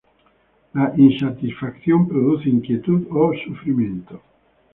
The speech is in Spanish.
La insatisfacción produce inquietud o sufrimiento.